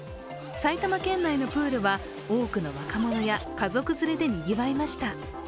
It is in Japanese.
埼玉県内のプールは多くの若者や家族連れで賑わいました。